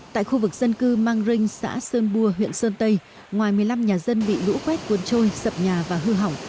tại khu vực dân cư mang rinh xã sơn bua huyện sơn tây ngoài một mươi năm nhà dân bị lũ quét cuốn trôi sập nhà và hư hỏng